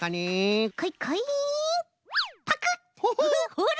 ほら！